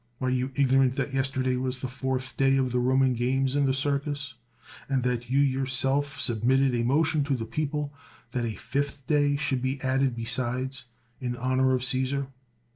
Are you ignorant that yesterday was the fourth day of the Eoman games in the Circus? and that 196 CICERO you yourself submitted a motion to the people, that a fifth day should be added besides, in honor of Cffisar?